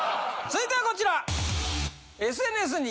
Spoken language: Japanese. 続いてはこちら。